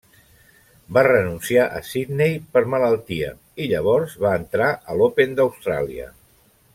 Va renunciar a Sydney per malaltia i llavors va entrar a l'Open d'Austràlia.